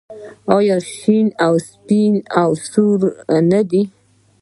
آیا شین سپین او سور نه دي؟